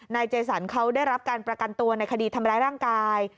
เจสันเขาได้รับการประกันตัวในคดีทำร้ายร่างกาย